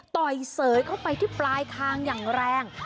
ต่อยเสยเข้าไปที่ปลายคางอย่างแรง